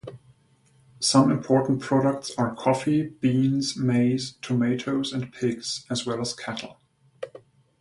Some important products are coffee, beans, maize, tomatoes and pigs, as well as cattle.